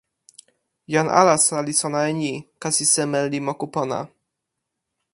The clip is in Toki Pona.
jan alasa li sona e ni: kasi seme li moku pona.